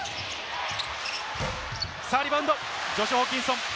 リバウンド、ジョシュ・ホーキンソン。